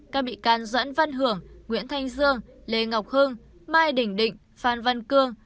các bị can doãn văn hưởng nguyễn thanh dương lê ngọc hương mai đình định phan văn cương